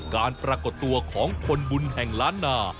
ปรากฏตัวของคนบุญแห่งล้านนา